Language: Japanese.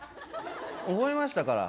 覚えましたから。